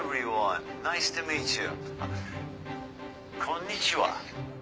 「こんにちは」